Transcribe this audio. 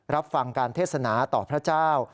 รับฟังการเทศนาต่อพระเจ้า